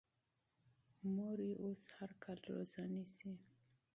مور یې اوس هر کال روژه نیسي.